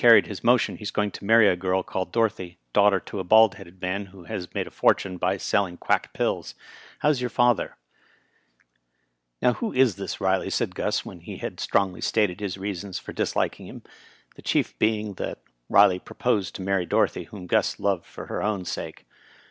ried liis motion he's going to many a girl called Doro thy, daughter to a bald headed man who has made a fort une by selling qnack pills. How's yonr father %" "Now, who U this Riley?" said Gus, when he had strongly stated his reasons for disliking him, the chief being that Kley proposed to marry Dorothy, whom Gus loved for her own sake.